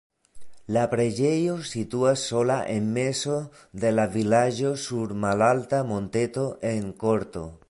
La preĝejo situas sola en mezo de la vilaĝo sur malalta monteto en korto.